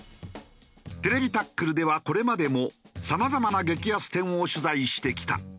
『ＴＶタックル』ではこれまでもさまざまな激安店を取材してきた。